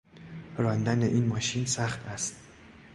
راندن این ماشین سخت است.